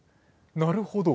なるほど。